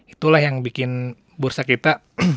itulah yang bikin bursa kita